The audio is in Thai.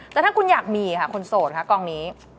แล้วถ้าคุณอยากมีค่ะคนโสดคะกองนี้